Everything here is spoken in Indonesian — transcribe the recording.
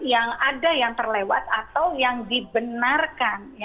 yang ada yang terlewat atau yang dibenarkan